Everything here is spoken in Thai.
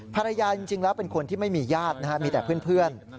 ภรรยาจริงแล้วเป็นคนที่ไม่มีญาตินะฮะมีแต่เพื่อน